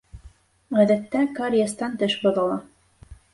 Ғәҙәттә, кариестан теш боҙола.